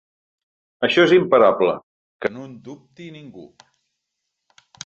Això és imparable, que no en dubti ningú!